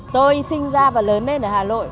tôi sinh ra và lớn lên ở hà nội